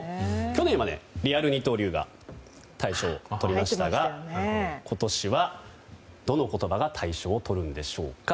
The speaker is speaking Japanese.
去年はリアル二刀流が大賞をとりましたが今年は、どの言葉が大賞をとるんでしょうか？